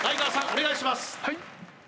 お願いします